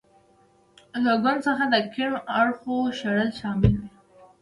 له ګوند څخه د کیڼ اړخو شړل شامل و.